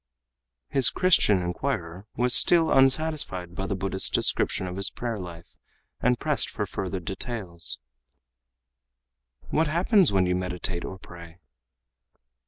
His Christian inquirer still was unsatisfied by the Buddhist's description of his prayer life, and pressed further for details. "What happens when you meditate or pray?"